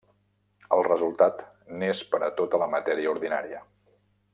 El resultat n'és per a tota la matèria ordinària.